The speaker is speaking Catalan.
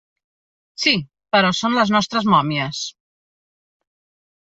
Sí, però són les nostres mòmies.